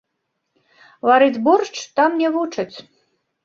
Варыць боршч там не вучаць.